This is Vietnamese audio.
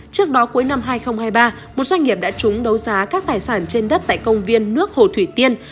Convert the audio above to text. trước đó cuối năm hai nghìn hai mươi ba một doanh nghiệp đã trúng đấu giá các tài sản trên đất tại công viên nước hồ thủy tiên